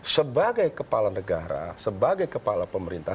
sebagai kepala negara sebagai kepala pemerintah